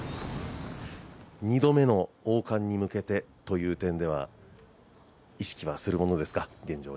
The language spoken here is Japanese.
２度目の王冠に向けてという点では意識するものですか？